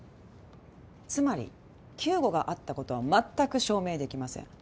つまり救護があったことはまったく証明できません